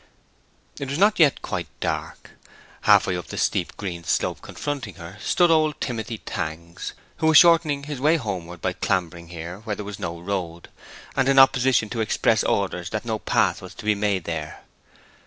It was not yet quite dark. Half way up the steep green slope confronting her stood old Timothy Tangs, who was shortening his way homeward by clambering here where there was no road, and in opposition to express orders that no path was to be made there.